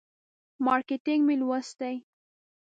مارکیټینګ مې لوستی.